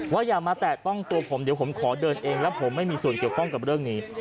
อย่ามาแตะต้องตัวผมเดี๋ยวผมขอเดินเองแล้วผมไม่มีส่วนเกี่ยวข้องกับเรื่องนี้